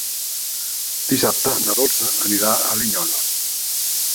Dissabte na Dolça anirà a Linyola.